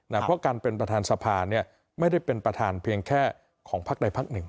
เพราะการเป็นประธานสภาเนี่ยไม่ได้เป็นประธานเพียงแค่ของพักใดพักหนึ่ง